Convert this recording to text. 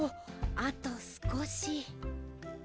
あとすこし。